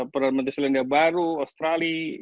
perdana menteri selandia baru australia